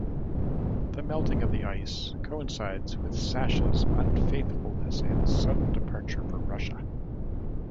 The melting of the ice coincides with Sasha's unfaithfulness and sudden departure for Russia.